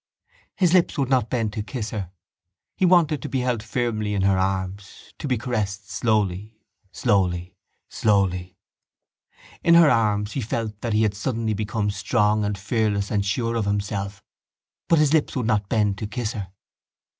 His lips would not bend to kiss her. He wanted to be held firmly in her arms, to be caressed slowly, slowly, slowly. In her arms he felt that he had suddenly become strong and fearless and sure of himself. But his lips would not bend to kiss her.